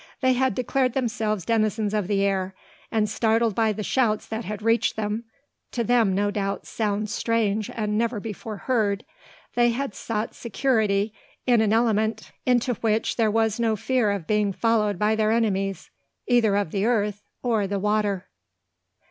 They had declared themselves denizens of the air; and, startled by the shouts that had reached them, to them, no doubt, sounds strange, and never before heard, they had sought security in an element into which there was no fear of being followed by their enemies, either of the earth or the water.